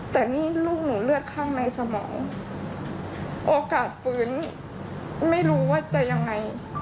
แต่นี่ลูกหนูเลือดข้างในสมองโอกาสฟื้นไม่รู้ว่าจะยังไง